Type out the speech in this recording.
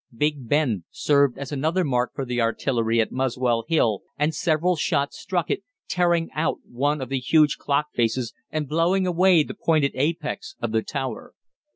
Big Ben served as another mark for the artillery at Muswell Hill and several shots struck it, tearing out one of the huge clock faces and blowing away the pointed apex of the tower.